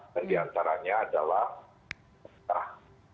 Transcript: dan diantaranya adalah